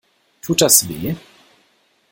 Tut das weh?